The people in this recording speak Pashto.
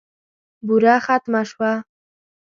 بوره ختمه شوه .